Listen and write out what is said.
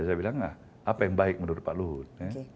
saya bilang apa yang baik menurut pak luhut